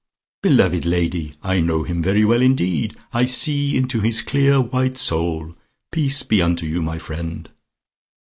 "Beloved lady, I know him very well indeed. I see into his clear white soul. Peace be unto you, my friend."